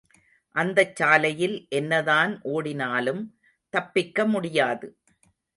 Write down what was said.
அந்தச் சாலையில் என்னதான் ஓடினாலும் தப்பிக்க முடியாது.